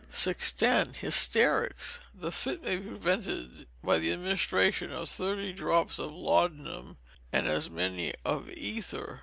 610. Hysterics. The fit may be prevented by the administration of thirty drops of laudanum, and as many of ether.